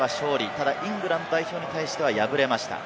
ただ、イングランド代表に対しては敗れました。